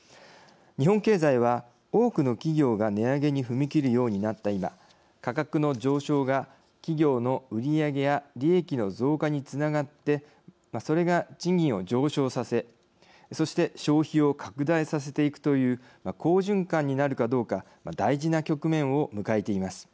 日本経済は、多くの企業が値上げに踏み切るようになった今価格の上昇が企業の売り上げや利益の増加につながってそれが賃金を上昇させそして消費を拡大させていくという好循環になるかどうか大事な局面を迎えています。